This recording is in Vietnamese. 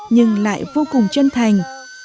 nhưng lại vô cùng chân thành